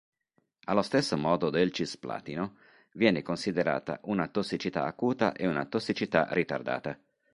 Allo stesso modo del cisplatino, viene considerata una tossicità acuta e una tossicità ritardata.